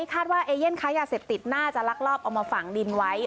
ว่าเอเย่นค้ายาเสพติดน่าจะลักลอบเอามาฝังดินไว้